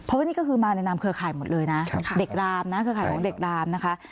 เพราะว่านี่ก็คือมาในนามเครือข่ายหมดเลยนะเด็กรามนะเครือข่ายของเด็กรามนะคะ